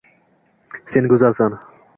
Sen go‘zalsan.